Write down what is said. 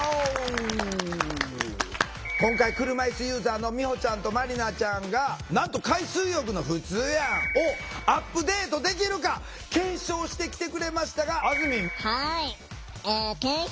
今回車いすユーザーのみほちゃんとまりなちゃんがなんと「海水浴のふつうやん」をアップデートできるか検証してきてくれましたがあずみん。